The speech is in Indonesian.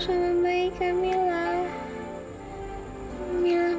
anak kamu di meted